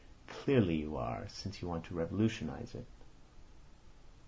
Clearly you are, since you want to revolutionise it.